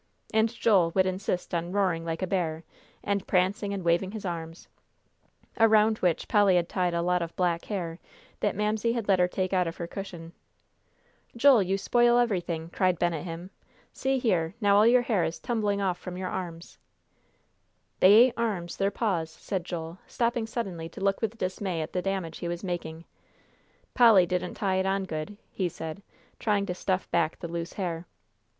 And Joel would insist on roaring like a bear, and prancing and waving his arms, around which Polly had tied a lot of black hair that Mamsie had let her take out of her cushion. [Illustration: "'I'M TO BE A WHITE CAT, MAMSIE'"] "Joel, you spoil everything!" cried Ben at him. "See here, now all your hair is tumbling off from your arms." "They ain't arms. They're paws," said Joel, stopping suddenly to look with dismay at the damage he was making. "Polly didn't tie it on good," he said, trying to stuff back the loose hair.